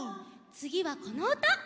つぎはこのうた。